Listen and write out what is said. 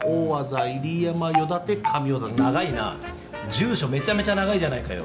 住所めちゃめちゃ長いじゃないかよ。